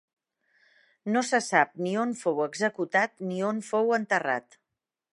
No se sap ni on fou executat ni on fou enterrat.